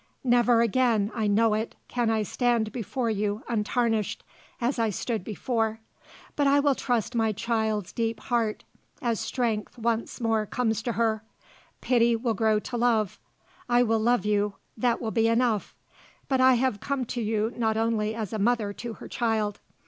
Never again, I know it, can I stand before you, untarnished, as I stood before; but I will trust my child's deep heart as strength once more comes to her. Pity will grow to love. I will love you; that will be enough. But I have come to you not only as a mother to her child.